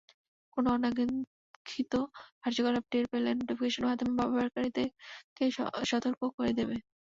কোনো অনাকাঙ্ক্ষিত কার্যকলাপ টের পেলে নোটিফিকেশনের মাধ্যমে ব্যবহারকারীকে সতর্ক করে দেবে।